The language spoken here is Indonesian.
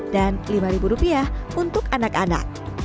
dan lima rupiah untuk anak anak